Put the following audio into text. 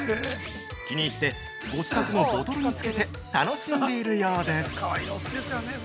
気に入って、ご自宅のボトルにつけて楽しんでいるようです。